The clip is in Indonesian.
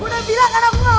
udah bilang karena mau